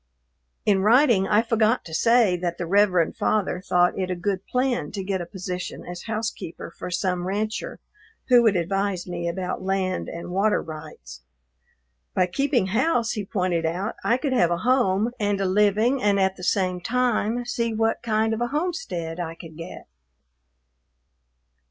In writing I forgot to say that the Reverend Father thought it a good plan to get a position as housekeeper for some rancher who would advise me about land and water rights. By keeping house, he pointed out, I could have a home and a living and at the same time see what kind of a homestead I could get.